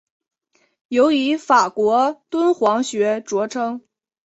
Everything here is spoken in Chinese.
尤以法国敦煌学着称。